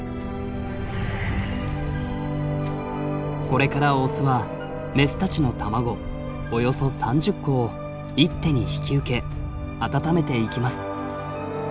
これからオスはメスたちの卵およそ３０個を一手に引き受け温めていきます。